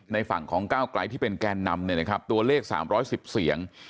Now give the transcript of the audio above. ฝั่งของก้าวไกลที่เป็นแกนนำตัวเลข๓๑๐เสียง